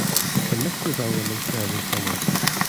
The mixes are released every summer.